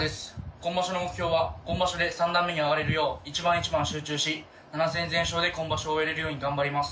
今場所の目標は今場所で三段目に上がれるよう一番一番集中し７戦全勝で今場所を終えれるように頑張ります。